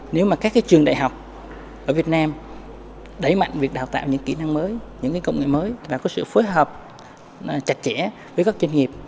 nếu mà các trường đại học ở việt nam đẩy mạnh việc đào tạo những kỹ năng mới những công nghệ mới và có sự phối hợp chặt chẽ với các doanh nghiệp